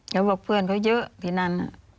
เขาบอกเพื่อนเขาเยอะที่นั่น